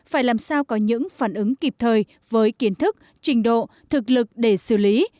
phải làm sao có những phản ứng kịp thời với kiến thức trình độ thực lực để xử lý